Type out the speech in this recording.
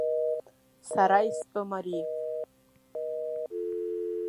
Сара истәым ари!